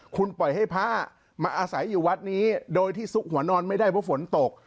คุณปล่อยให้พระมาอาศัยอยู่วัดนี้โดยที่ซุกหัวนอนไม่ได้เพราะฝนตก